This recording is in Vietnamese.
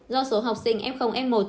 do số học sinh f f một